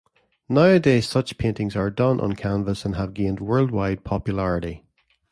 Nowadays such paintings are done on canvas and have gained worldwide popularity.